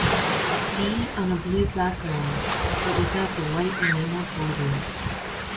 B. on a blue background, but without the white enameled borders.